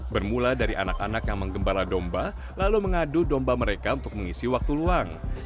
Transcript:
bermula dari anak anak yang menggembala domba lalu mengadu domba mereka untuk mengisi waktu luang